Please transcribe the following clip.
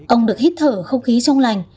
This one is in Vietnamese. ông được hít thở không khí trong lành